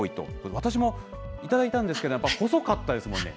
私も頂いたんですけど、やっぱ細かったですもんね。